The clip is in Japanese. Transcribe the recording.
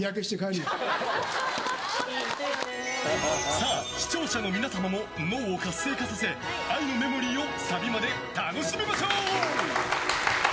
さあ、視聴者の皆様も脳を活性化させ「愛のメモリー」をサビまで楽しみましょう。